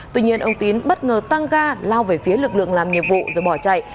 tuy nhiên ông tín bất ngờ tăng ga lao về phía lực lượng làm nhiệm vụ rồi bỏ chạy